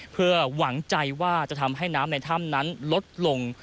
เพื่อหวังใจว่าจะทำให้น้ำในถ้ำนั้นลดลง